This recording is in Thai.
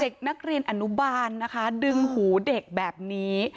เด็กนักเรียนอนุบาลนะคะดึงหูเด็กแบบนี้